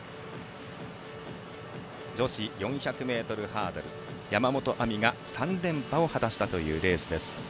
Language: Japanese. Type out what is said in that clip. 女子４００ｍハードル山本亜美が３連覇を果たしたレースです。